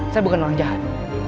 saya bukan orang jahat